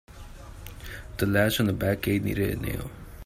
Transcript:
The latch on the back gate needed a nail.